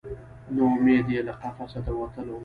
نه امید یې له قفسه د وتلو